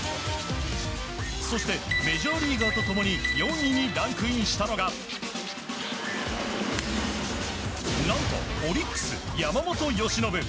そしてメジャーリーガーと共に４位にランクインしたのが何とオリックス、山本由伸。